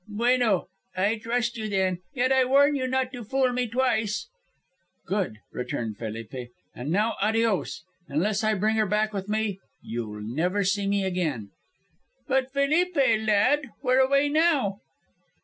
"Bueno, I trust you then. Yet I warn you not to fool me twice." "Good," returned Felipe. "And now adios. Unless I bring her back with me you'll never see me again." "But, Felipe, lad, where away now?"